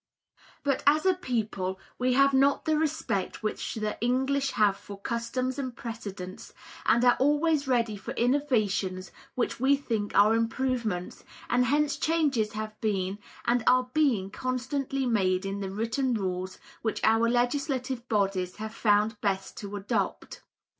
But as a people we have not the respect which the English have for customs and precedents, and are always ready for innovations which we think are improvements, and hence changes have been and are being constantly made in the written rules which our legislative bodies have found best to adopt.